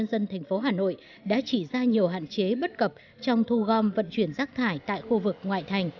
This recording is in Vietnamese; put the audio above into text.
về trong công tác xử lý